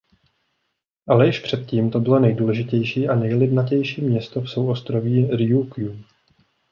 Ale již před tím to bylo nejdůležitější a nejlidnatější město v souostroví Rjúkjú.